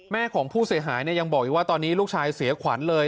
ของผู้เสียหายยังบอกอีกว่าตอนนี้ลูกชายเสียขวัญเลย